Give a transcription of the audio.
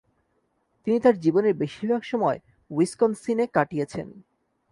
তিনি তার জীবনের বেশিরভাগ সময় উইসকনসিন এ কাটিয়েছেন।